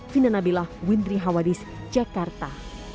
fina nabilah windri hawadis jakarta